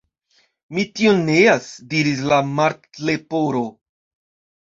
"Mi tion neas," diris la Martleporo.